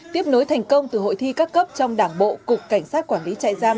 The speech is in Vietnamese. tiếp nối thành công từ hội thi các cấp trong đảng bộ cục cảnh sát quản lý trại giam